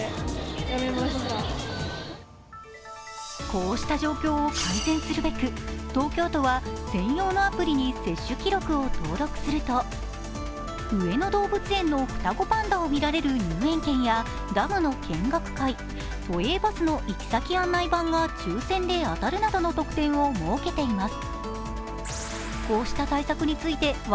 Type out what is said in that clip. こうした状況を改善するべく、東京都は専用のアプリに接種記録を登録すると、上野動物園の双子パンダを見られる入園券やダムの見学会、都営バスの行先案内板が抽選で当たるなどの特典を設けています。